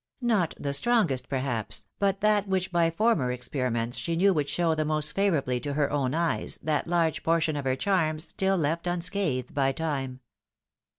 Not the strongest, perhaps, but that which by former experiments A STUDY FOR A PAINTER. 9 she knew would show the most favourably to her own eyes, that large portion of her charms still left unscathed by time.